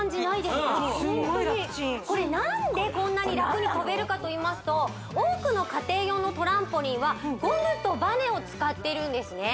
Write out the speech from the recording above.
すんごい楽ちんこれ何でこんなに楽に跳べるかといいますと多くの家庭用のトランポリンはゴムとバネを使ってるんですね